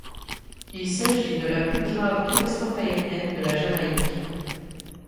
Il s'agit de la plus grave catastrophe aérienne de la Jamaïque.